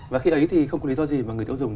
và khi đấy thì không có lý do gì mà người tiêu dùng